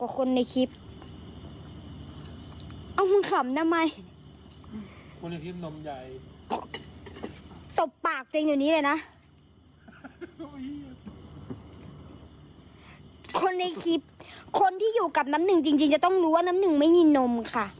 คนในคลิปคนที่อยู่กับน้ำหนึ่งจริงจะต้องรู้ว่าน้ำหนึ่งไม่มีนมค่ะ